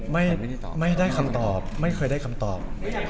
ไม่ได้คำตอบไม่เคยได้คำตอบ